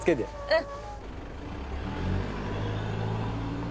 うん。